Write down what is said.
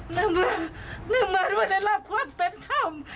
หนึ่งหมดหนึ่งหมดว่าได้รับความเป็นธรรม